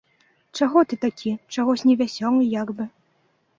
Чаго ты такі, чагось невясёлы як бы?